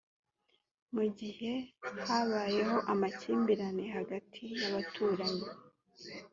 mu gihe habayeho amakimbirane hagati y’abaturanyi